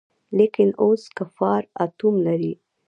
لکېن اوس کفار آټوم لري.